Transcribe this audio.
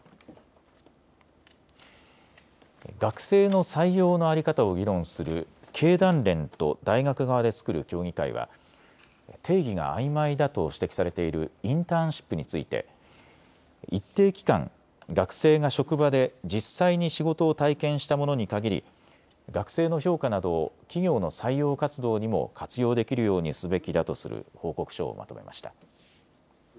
学生の採用の在り方を議論する経団連と大学側で作る協議会は定義があいまいだと指摘されているインターンシップについて一定期間、学生が職場で実際に仕事を体験したものに限り学生の評価などを企業の採用活動にも活用できるようにすべきだとする報告書をまとめました。